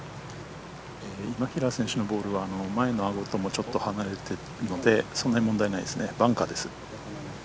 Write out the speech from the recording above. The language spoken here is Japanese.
今平選手のボールは前のアゴともちょっと離れてるのでそんなに問題ないですねバンカーです。